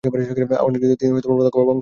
অনেক যুদ্ধে তিনি প্রত্যক্ষভাবে অংশ নেন।